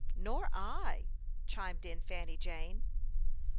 " Nor I," chimed in Fanny Jane.